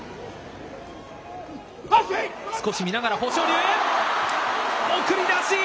少し見ながら、豊昇龍、送り出し。